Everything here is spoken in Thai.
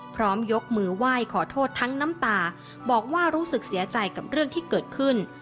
พร้อมยกมือไหว้ขอโทษทั้งน้ำตาบอกว่ารู้สึกเสียใจกับเรื่องที่เกิดขึ้น